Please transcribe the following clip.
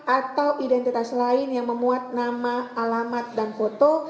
atau identitas lain yang memuat nama alamat dan foto